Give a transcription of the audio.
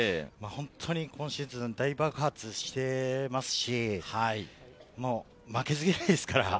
今シーズン、大爆発していますし、負けず嫌いですから。